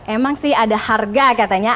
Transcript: emang sih ada harga katanya